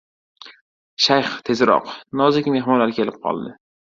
— Shayx tezroq! Nozik mehmonlar kelib qoldi.